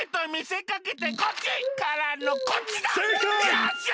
よっしゃ！